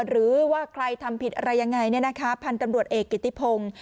หรือว่าใครทำผิดอะไรยังไงพันธุ์ตำรวจเอกกิติพงศ์